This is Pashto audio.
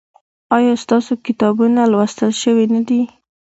ایا ستاسو کتابونه لوستل شوي نه دي؟